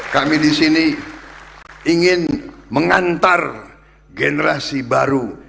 kami di sini ingin mengantar generasi baru